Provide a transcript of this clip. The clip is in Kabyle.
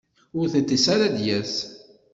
Ur tiṭ-is ara ad d-yas.